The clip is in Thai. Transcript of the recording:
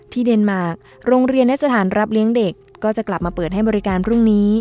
เดนมาร์คโรงเรียนและสถานรับเลี้ยงเด็กก็จะกลับมาเปิดให้บริการพรุ่งนี้